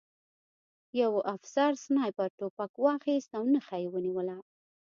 یوه افسر سنایپر توپک واخیست او نښه یې ونیوله